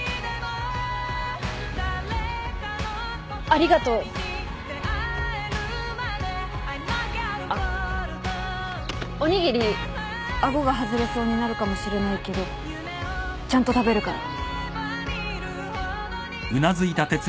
ありがとう。あっおにぎり顎が外れそうになるかもしれないけどちゃんと食べるから。